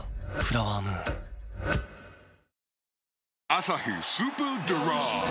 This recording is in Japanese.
「アサヒスーパードライ」